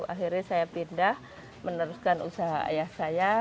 akhirnya saya pindah meneruskan usaha ayah saya